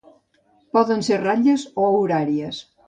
Poden ser ratlles o horàries.